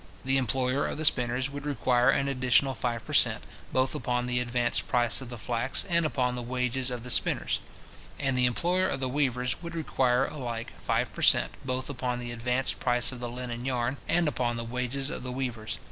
The employer of the spinners would require an additional five per cent. both upon the advanced price of the flax, and upon the wages of the spinners. And the employer of the weavers would require alike five per cent. both upon the advanced price of the linen yarn, and upon the wages of the weavers.